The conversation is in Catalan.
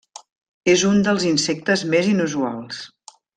És un dels insectes més inusuals.